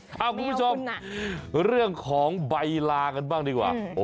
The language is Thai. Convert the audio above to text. คุณผู้ชมเรื่องของใบลากันบ้างดีกว่า